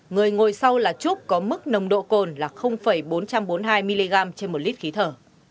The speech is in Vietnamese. người ngồi sau là trúc có mức nồng độ cồn là bốn trăm bốn mươi hai mg trên một lít khí thở